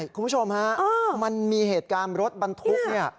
คุณผู้ชมมันมีเหตุกรรมรถบันทุก